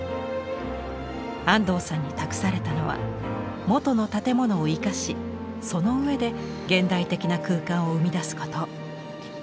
安藤さんに託されたのは元の建物を生かしその上で現代的な空間を生み出すこと。